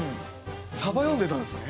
さば読んでたんですね。